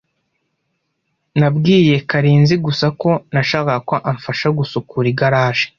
Nabwiye Karenzigusa ko nashakaga ko amfasha gusukura igaraje.